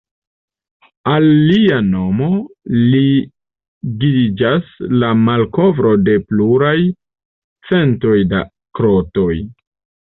Al lia nomo ligiĝas la malkovro de pluraj centoj da grotoj.